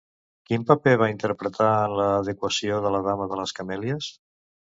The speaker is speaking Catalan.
Quin paper va interpretar en l'adequació de "La dama de les camèlies"?